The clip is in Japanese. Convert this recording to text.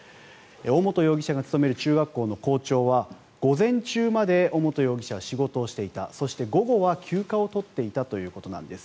尾本容疑者が勤める中学校の校長は午前中まで尾本容疑者は仕事をしていたそして、午後は休暇を取っていたということなんです。